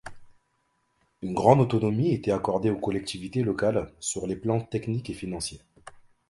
Une grande autonomie était accordée aux collectivités locales sur les plans technique et financier.